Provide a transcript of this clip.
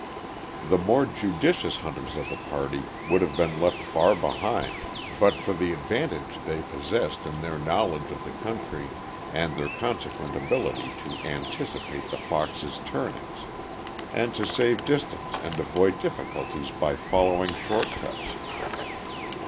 The more judicious hunters of the party would have been left far behind but for the advantage they possessed in their knowledge of the country and their consequent ability to anticipate the fox's turnings, and to save distance and avoid difficulties by following short cuts.